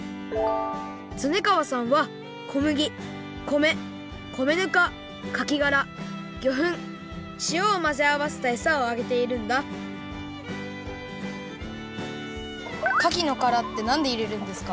恒川さんは小麦米米ぬかかきがら魚粉しおをまぜあわせたえさをあげているんだかきのからってなんでいれるんですか？